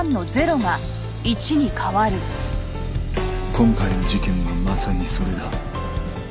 今回の事件はまさにそれだ